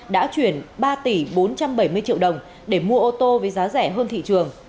đã chuyển ba tỷ bốn trăm bảy mươi triệu đồng để mua ô tô với giá rẻ hơn thị trường